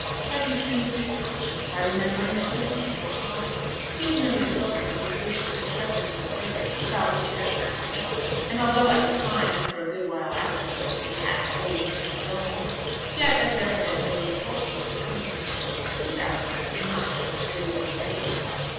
But he soothed his conscience by remembering that he had made no promise; he had merely spoken of his wish to be present at the service, about which Hester was speaking; and although at the time and for a good while afterwards, he had fully intended going, yet as there had been William Coulson to accompany her, his absence could not have been seriously noticed.